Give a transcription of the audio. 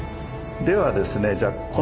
ではですねじゃあはい。